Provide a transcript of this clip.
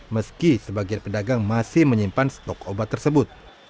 meski sebagian pedagang masih menyimpan stok obat tersebut